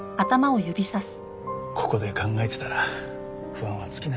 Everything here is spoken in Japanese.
ここで考えてたら不安は尽きないよ。